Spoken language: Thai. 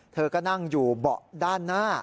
เธอก็นั่งอยู่เบาะด้านหน้า